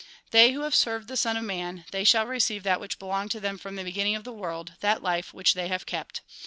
" They who have served the Son of Man, they shall receive that which belonged to them from the beginning of the world, that life which they have kept.